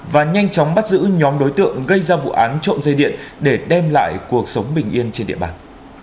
và nhanh chóng bắt giữ nhóm đối tượng gây ra vụ án trộm dây điện để đem lại cuộc sống bình yên trên địa bàn